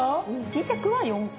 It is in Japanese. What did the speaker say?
２着は４回。